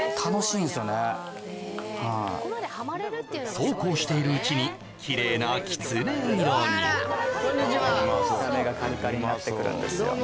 そうこうしているうちにキレイなきつね色に見た目がカリカリになってくるんですよ